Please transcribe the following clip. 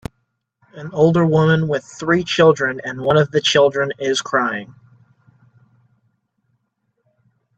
An older woman with three children and one of the children is crying.